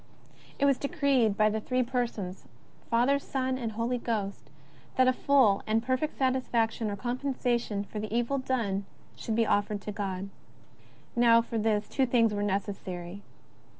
It was de 28 JESUS OF NAZABETH. creed bj the Three Divine Persons, Father, Son, and Holy Ghost, that a full and perfect satisfaction or com pensation for the evil done should be offered to God. Now, for this two things were necessary.